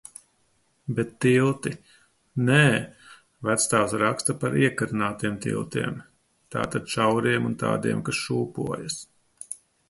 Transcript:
Bet tilti. Nē, vectēvs raksta par iekarinātiem tiltiem. Tātad šauriem un tādiem, kas šūpojas.